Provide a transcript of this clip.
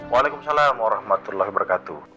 waalaikumsalam warahmatullahi wabarakatuh